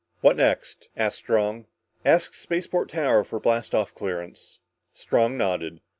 What next?" asked Strong. "Ask spaceport tower for blast off clearance " Strong nodded.